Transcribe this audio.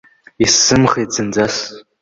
Исзымхеит зынӡас.